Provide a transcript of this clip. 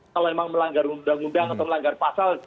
kalau memang melanggar undang undang atau melanggar pasal